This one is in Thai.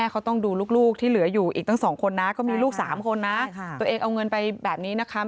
เขาต้องดูลูกที่เหลืออยู่อีกตั้ง๒คนนะก็มีลูก๓คนนะตัวเองเอาเงินไปแบบนี้นะคะ